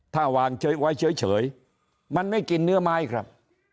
ถ้าวางไว้เฉยมันไม่กินเนื้อไม้ครับ